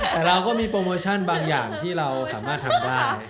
แต่เราก็มีโปรโมชั่นบางอย่างที่เราสามารถทำได้